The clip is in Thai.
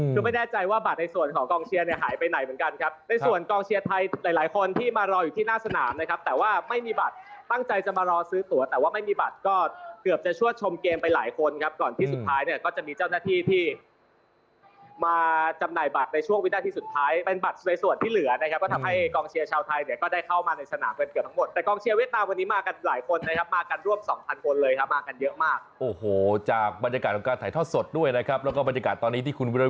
ดูไม่แน่ใจว่าบัตรในส่วนของกองเชียร์เนี่ยหายไปไหนเหมือนกันครับในส่วนกองเชียร์ไทยหลายคนที่มารออยู่ที่หน้าสนามนะครับแต่ว่าไม่มีบัตรตั้งใจจะมารอซื้อตัวแต่ว่าไม่มีบัตรก็เกือบจะชวดชมเกมไปหลายคนครับก่อนที่สุดท้ายเนี่ยก็จะมีเจ้าหน้าที่ที่มาจำหน่ายบัตรในช่วงวินาทีสุดท้ายเป็นบ